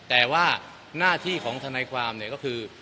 แต่ว่าหน้าที่ของทนายความเนี่ยก็คือ